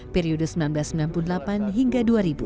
periode seribu sembilan ratus sembilan puluh delapan hingga dua ribu dua